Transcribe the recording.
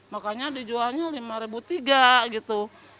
makanya dijualnya lima ribu tiga gitu